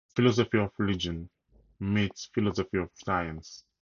Philosophy of Religion meets Philosophy of Science.